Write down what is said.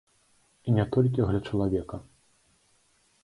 І не толькі для чалавека.